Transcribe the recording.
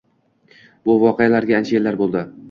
Bu voqealarga ancha yillar boʻldi.